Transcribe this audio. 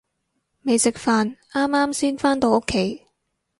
未食飯，啱啱先返到屋企